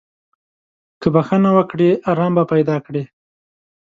که بخښنه وکړې، ارام به پیدا کړې.